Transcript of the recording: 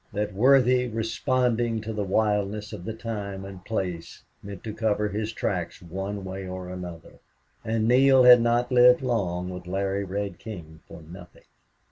That worthy, responding to the wildness of the time and place, meant to cover his tracks one way or another. And Neale had not lived long with Larry Red King for nothing.